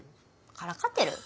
からかってる？